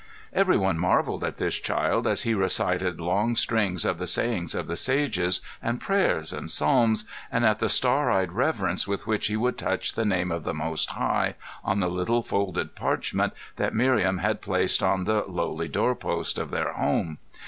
Every one marveled at this child as he recited long strings of the sayings of the sages, and prayers and psalms, and at the star eyed reverence with which he would touch the name of the Most High on the little folded parchment that Miriam had placed on the lowly door post of their home.